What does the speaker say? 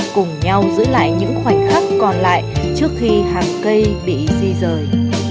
cùng nhau giữ lại những khoảnh khắc còn lại trước khi hàng cây bị di rời